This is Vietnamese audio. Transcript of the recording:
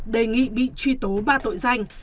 đề nghị bị truy tố ba tội danh